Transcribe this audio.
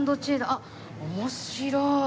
あっ面白い！